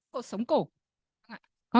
của sống của